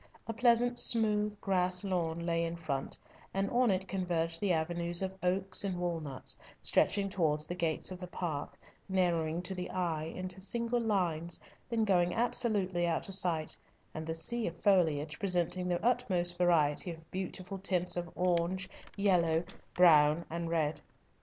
A pleasant, smooth, grass lawn lay in front, and on it converged the avenues of oaks and walnuts, stretching towards the gates of the park, narrowing to the eye into single lines, then going absolutely out of sight, and the sea of foliage presenting the utmost variety of beautiful tints of orange, yellow, brown, and red.